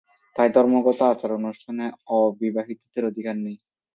তাই ধর্মগত আচার-অনুষ্ঠানে অবিবাহিতের অধিকার নাই।